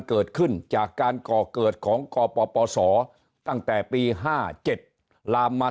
เกิดขึ้นจากการก่อเกิดของกปศตั้งแต่ปี๕๗ลามมา